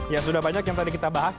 ya sudah banyak yang tadi kita bahas